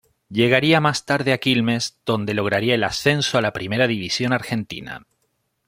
Llegaría más tarde a Quilmes donde lograría el ascenso a la Primera División Argentina.